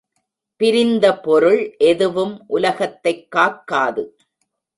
பிரிந்த பொருள் எதுவும் உலகத்தைக் காக்காது.